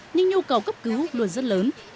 nhưng nhu cầu cấp cứu luôn rất lớn